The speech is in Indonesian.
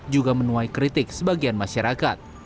juga menuai kritik sebagian masyarakat